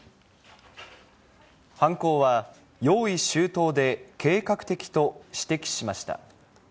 犯行は用意周到で計画的と指摘しました。